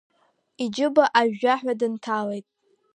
Иџьыба ажәжәаҳәа дынҭалеит.